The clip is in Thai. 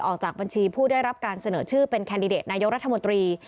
ออกจากบัญชีผู้ได้รับการเสนอชื่อเป็นแคนดิเดตนายกรัฐมนตรี